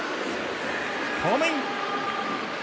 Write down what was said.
ホームイン！